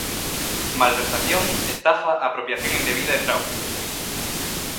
Malversación, estafa, apropiación indebida e fraude.